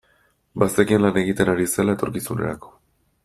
Bazekien lan egiten ari zela etorkizunerako.